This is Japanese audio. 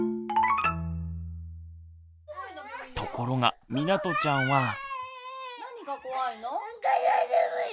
ところがみなとちゃんは。